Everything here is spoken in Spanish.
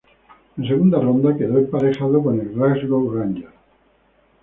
En segunda ronda quedó emparejado con el Glasgow Rangers.